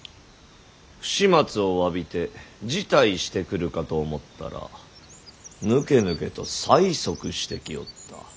不始末をわびて辞退してくるかと思ったらぬけぬけと催促してきおった。